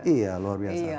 iya luar biasa